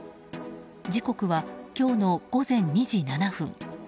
時刻は今日の午前２時７分。